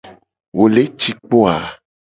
Wo le ci kpo a?